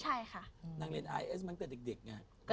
ใช่ค่ะ